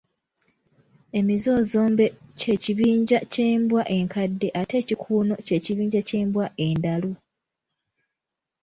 Emizoozombe ky’ekibinja ky’embwa enkadde ate ekikuuno ky’ekibinja ky’Embwa endalu.